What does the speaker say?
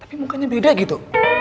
tapi mukanya beda gitu